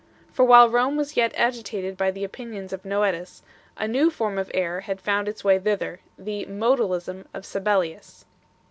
For while Eome was yet agitated by the opinions of Noetus, a ne w form of error had found its way thither, the " modalism " of Sabellius.